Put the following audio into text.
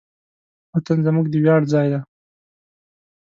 وطن زموږ د ویاړ ځای دی.